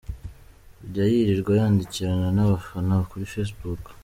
kujya yirirwa yandikirana nabafana kuri facebook.